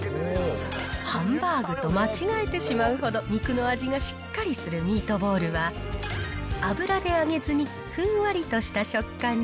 ハンバーグと間違えてしまうほど、肉の味がしっかりするミートボールは、油で揚げずにふんわりとした食感に。